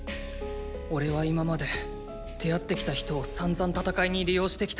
おれは今まで出会ってきた人をさんざん戦いに利用してきた。